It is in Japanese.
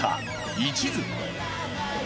「一途」。